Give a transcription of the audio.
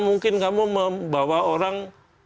mungkin kamu membawa orang